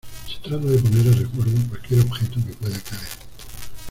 se trata de poner a resguardo cualquier objeto que pueda caer.